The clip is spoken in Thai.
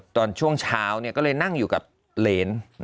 ตอนช่วงเช้าก็เลยนั่งอยู่กับเหรน